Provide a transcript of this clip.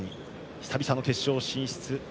久々の決勝進出。